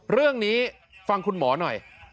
เรื่องนี้ฟังคุณหมอหน่อย